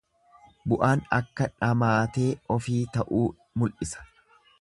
Bu'aan akka dhamaatee ofii ta'uu mul'isa.